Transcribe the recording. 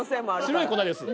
白い粉です。